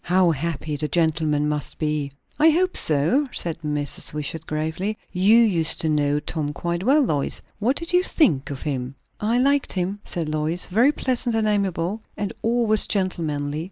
"How happy the gentleman must be!" "I hope so," said Mrs. Wishart gravely. "You used to know Tom quite well, Lois. What did you think of him?" "I liked him," said Lois. "Very pleasant and amiable, and always gentlemanly.